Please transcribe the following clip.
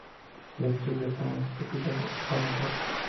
El estudio es actualmente propiedad de Warner Bros..